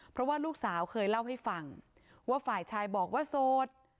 เพราะว่าลูกสาวเคยเล่าให้ฟังว่าฝ่ายชายบอกว่าโสด